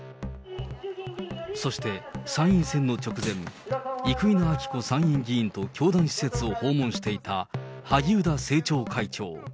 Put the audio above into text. そして参院選の直前、生稲晃子参院議員と教団施設を訪問していた萩生田政調会長。